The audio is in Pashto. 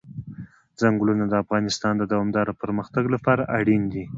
ځنګلونه د افغانستان د دوامداره پرمختګ لپاره اړین دي.